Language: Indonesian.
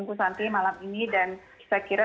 bu santi malam ini dan saya kira